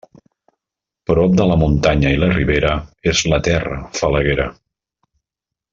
Prop de la muntanya i ribera, és la terra falaguera.